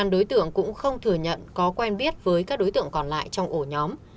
quang cũng không thừa nhận có quen biết với các đối tượng còn lại trong ổ nhóm